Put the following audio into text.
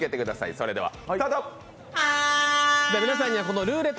それではスタート！